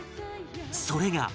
それが